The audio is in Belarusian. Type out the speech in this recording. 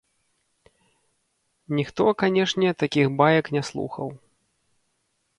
Ніхто, канечне, такіх баек не слухаў.